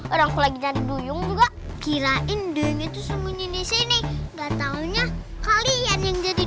orang kulagi dan duyung juga kirain deng itu sembunyi di sini dan taunya kalian yang jadi